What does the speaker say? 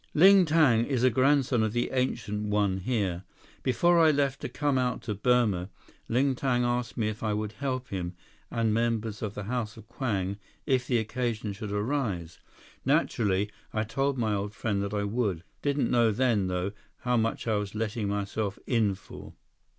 "Ling Tang is a grandson of the Ancient One here. Before I left to come out to Burma, Ling Tang asked me if I would help him and members of the House of Kwang if the occasion should arise. Naturally, I told my old friend that I would. Didn't know then, though, how much I was letting myself in for."